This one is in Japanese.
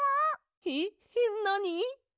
ええっなに！？